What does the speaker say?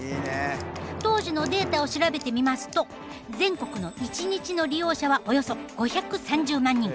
当時のデータを調べてみますと全国の１日の利用者はおよそ５３０万人。